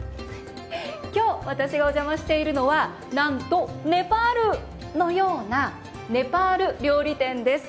今日、私がお邪魔しているのはなんと、ネパールのようなネパール料理店です。